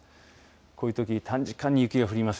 こういうとき短時間に雪が降ります。